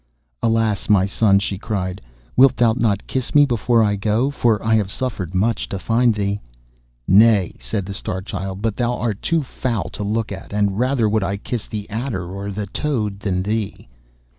'Alas! my son,' she cried, 'wilt thou not kiss me before I go? For I have suffered much to find thee.' 'Nay,' said the Star Child, 'but thou art too foul to look at, and rather would I kiss the adder or the toad than thee.